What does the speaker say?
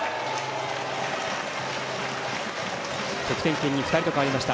得点圏に２人と変わりました。